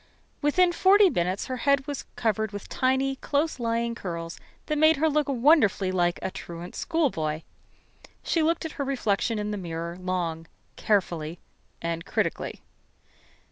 Within forty minutes her head was covered with tiny close lying curls that made her look wonderfully like a truant schoolboy. She looked at her reflection in the mirror, long, carefully, and critically.